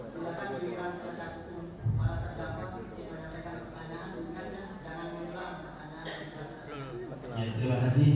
saksi betul betul bisa mendapatkan